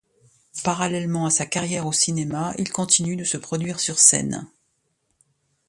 Parallèlement à sa carrière au cinéma, il continue de se produire sur scène.